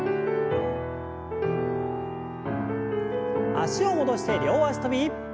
脚を戻して両脚跳び。